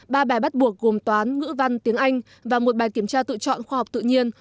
ba bài bắt buộc gồm toán ngữ văn tiếng anh và một bài kiểm tra tự chọn khoa học tự nhiên